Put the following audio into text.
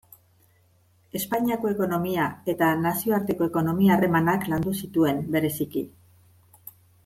Espainiako ekonomia eta nazioarteko ekonomia-harremanak landu zituen, bereziki.